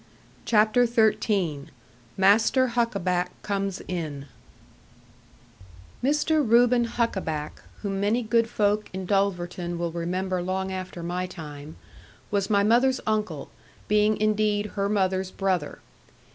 CHAPTER XIII MASTER HUCKABACK COMES IN Mr. Reuben Huckaback, whom many good folk in Dulverton will remember long after my time, was my mother's uncle, being indeed her mother's brother.